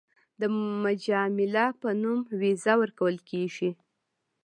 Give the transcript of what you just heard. د مجامله په نوم ویزه ورکول کېږي.